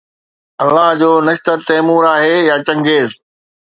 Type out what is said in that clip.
الله جو نشتر تيمور آهي يا چنگيز